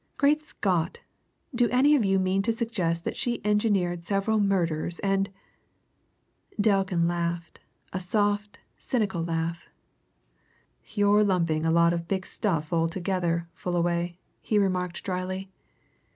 Great Scott! do any of you mean to suggest that she engineered several murders, and " Delkin laughed a soft, cynical laugh. "You're lumping a lot of big stuff altogether, Fullaway," he remarked drily.